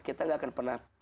kita gak akan pernah